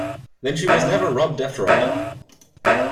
Then she was never robbed after all?